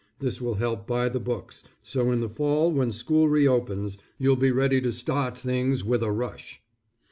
This will help buy the books, so in the fall when school reopens, you'll be ready to start things with a rush.